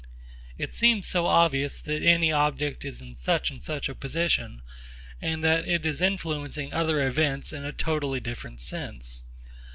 It seems so obvious that any object is in such and such a position, and that it is influencing other events in a totally different sense.